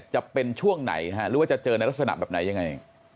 จะเป็นช่วงไหนหรือว่าจะเจอในลักษณะแบบไหนยังไง